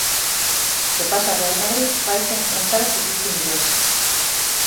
Se pasa o Real Madrid vaise enfrontar co equipo inglés.